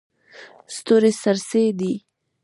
ستوري څرڅي.